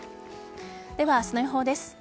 では、明日の予報です。